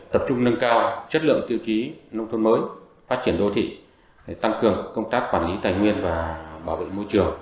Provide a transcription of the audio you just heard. tập trung nâng cao chất lượng tiêu chí nông thôn mới phát triển đô thị tăng cường công tác quản lý tài nguyên và bảo vệ môi trường